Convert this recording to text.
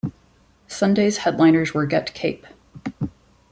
Sunday's headliners were Get Cape.